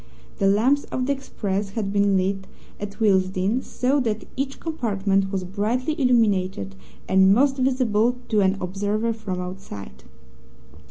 The lamps of the express had been lit at Willesden, so that each compartment was brightly illuminated, and most visible to an observer from outside.